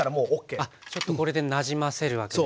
ちょっとこれでなじませるわけですね。